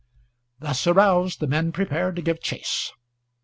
Thus aroused, the men prepared to give chase.